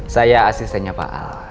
saya asistennya pak al